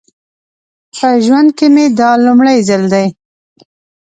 په ژوند کې مې دا لومړی ځل دی.